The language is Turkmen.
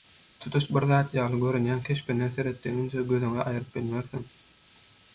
tutuş bir zat ýaly görünýän keşbine seretdigiňçe gözüňi aýryp bilmersiň